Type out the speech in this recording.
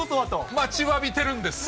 待ちわびているんですよね。